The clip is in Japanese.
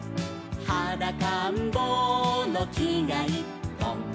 「はだかんぼうのきがいっぽん」